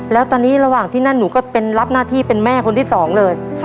แล้วตอนนี้ระหว่างที่นั่นหนูก็เป็นรับหน้าที่เป็นแม่คนที่สองเลย